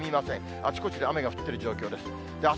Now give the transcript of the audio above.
あちこちで雨が降ってる状況です。